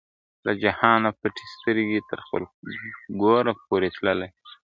له جهانه پټي سترګي تر خپل ګوره پوري تللای !.